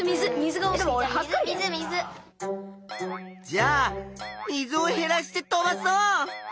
じゃあ水をへらして飛ばそう！